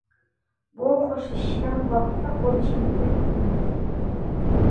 بۇ خوشلىشىشنىڭ ۋاقىتلىق بولۇشىنى ئۈمىد قىلىمەن.